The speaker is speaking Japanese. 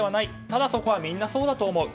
ただ、そこはみんなそうだと思う。